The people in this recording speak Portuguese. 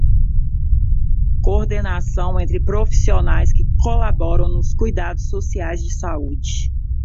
Coordenação entre profissionais que colaboram nos cuidados sociais de saúde.